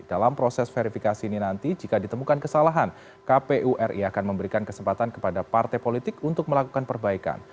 dalam proses verifikasi ini nanti jika ditemukan kesalahan kpu ri akan memberikan kesempatan kepada partai politik untuk melakukan perbaikan